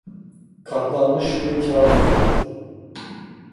Katlanmış bir kâğıt uzattı.